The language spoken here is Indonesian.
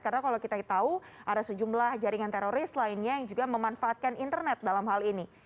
karena kalau kita tahu ada sejumlah jaringan teroris lainnya yang juga memanfaatkan internet dalam hal ini